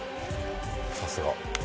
さすが。